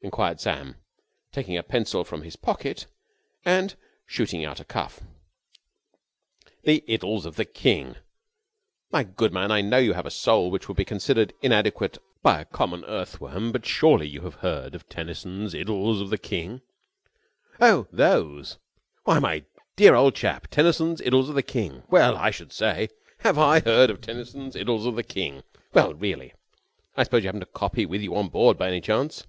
enquired Sam, taking a pencil from his pocket and shooting out a cuff. "The Idylls of the King. My good man, I know you have a soul which would be considered inadequate by a common earthworm, but you have surely heard of Tennyson's Idylls of the King?" "Oh, those! Why, my dear old chap; Tennyson's Idylls of the King! Well, I should say! Have I heard of Tennyson's Idylls of the King? Well, really! I suppose you haven't a copy with you on board by any chance?"